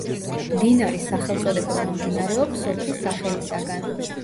მდინარის სახელწოდება მომდინარეობს სოფლის სახელისაგან.